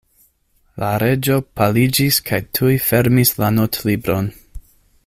La Reĝo paliĝis kaj tuj fermis la notlibron.